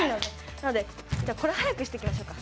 なのでじゃあこれ速くしていきましょうか。